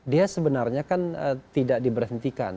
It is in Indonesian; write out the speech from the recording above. dia sebenarnya kan tidak diberhentikan